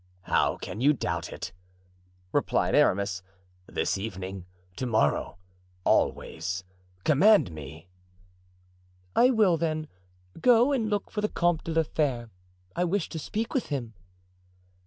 "How can you doubt it?" replied Aramis; "this evening, to morrow, always; command me." "I will, then. Go and look for the Comte de la Fere; I wish to speak with him."